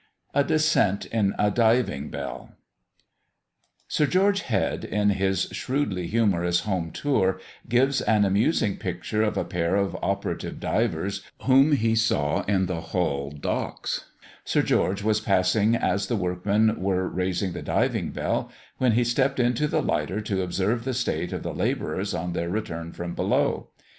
A DESCENT IN A DIVING BELL. Sir George Head, in his shrewdly humorous Home Tour, gives an amusing picture of a pair of operative divers whom he saw in the Hull docks. Sir George was passing as the workmen were raising the diving bell, when he stepped into the lighter to observe the state of the labourers on their return from below.